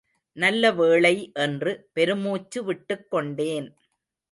நல்ல வேளை என்று பெருமூச்சு விட்டுக் கொண்டேன்.